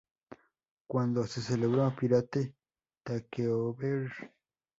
Cuando se celebró "Pirate Takeover!